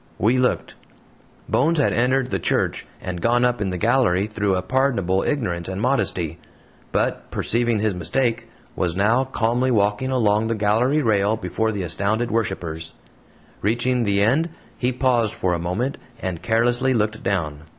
We looked. Bones had entered the church and gone up in the gallery through a pardonable ignorance and modesty; but, perceiving his mistake, was now calmly walking along the gallery rail before the astounded worshipers. Reaching the end, he paused for a moment, and carelessly looked down.